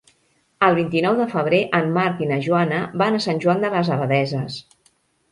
El vint-i-nou de febrer en Marc i na Joana van a Sant Joan de les Abadesses.